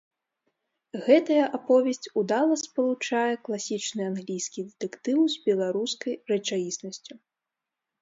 Гэтая аповесць удала спалучае класічны англійскі дэтэктыў з беларускай рэчаіснасцю.